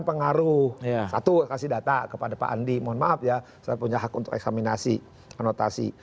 pengaruh satu kasih data kepada pak andi mohon maaf ya saya punya hak untuk eksaminasi konotasi